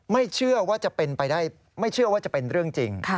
ไม่เชื่อว่าจะเป็นไปได้ไม่เชื่อว่าจะเป็นเรื่องจริง